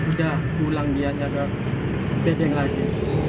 udah pulang dianya ke bedeng lagi